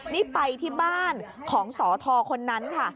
นี่ไปที่บ้านของสอทคนนั้นค่ะ